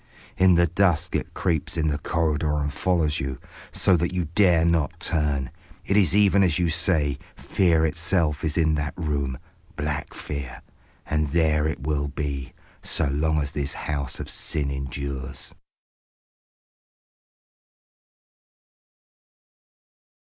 In the dusk it creeps in the corridor and follows you, so that you dare not turn. It is even as you say. Fear itself is in that room. Black Fear.... And there it will be... so long as this house of sin endures."